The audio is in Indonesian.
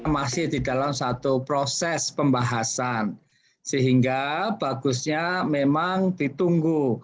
masih di dalam satu proses pembahasan sehingga bagusnya memang ditunggu